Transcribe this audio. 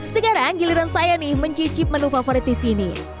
sekarang giliran saya nih mencicip menu favorit di sini